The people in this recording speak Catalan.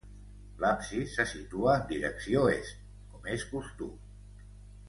L’absis se situa en direcció est, com és costum.